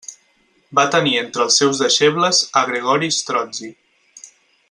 Va tenir entre els seus deixebles a Gregori Strozzi.